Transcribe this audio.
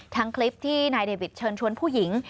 คลิปที่นายเดวิทเชิญชวนผู้หญิง